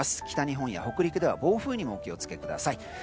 北日本や北陸では暴風雨にもお気を付けください。